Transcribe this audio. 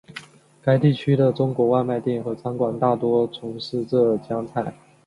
该地区的中国外卖店和餐馆大多从事浙江菜。